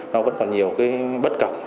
nó vẫn còn nhiều bất cập